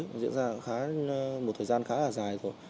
nó diễn ra một thời gian khá là dài rồi